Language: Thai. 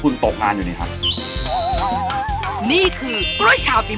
ดูแล้วคงไม่รอดเพราะเราคู่กัน